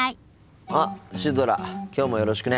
あっシュドラきょうもよろしくね。